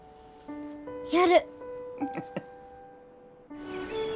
やる。